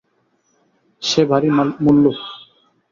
সে ভারী মুল্লুক।